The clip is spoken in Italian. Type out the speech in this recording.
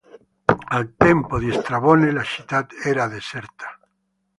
Al tempo di Strabone la città era deserta.